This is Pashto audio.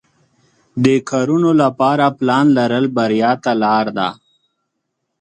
د کارونو لپاره پلان لرل بریا ته لار ده.